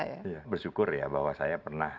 saya bersyukur ya bahwa saya pernah